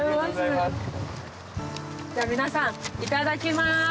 じゃあ皆さんいただきます！